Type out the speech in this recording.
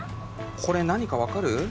これ何か分かる？